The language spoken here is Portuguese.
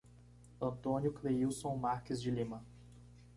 Antônio Cleilson Marques de Lima